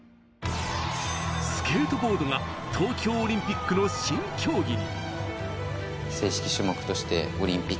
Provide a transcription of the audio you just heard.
スケートボードが東京オリンピックの新競技に。